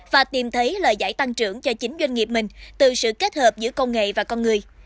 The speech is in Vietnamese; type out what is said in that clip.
và tìm thấy lời giải tăng trưởng cho chính doanh nghiệp mình từ sự kết hợp giữa công nghệ và con người